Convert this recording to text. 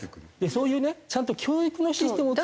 そういうねちゃんと教育のシステムを作るのに。